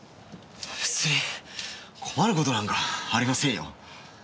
別に困る事なんかありませんよ。